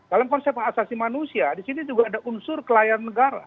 dalam konsep keasasi manusia disini juga ada unsur kelayanan negara